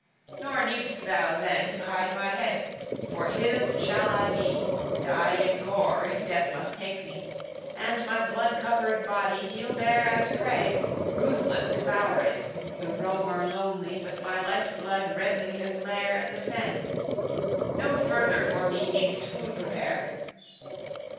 Nor need'st thou then to hide my head; {6c} for his shall I be, dyed in gore, if death must take me; and my blood covered body he'll bear as prey, ruthless devour it, the roamer lonely, with my life blood redden his lair in the fen: no further for me need'st food prepare!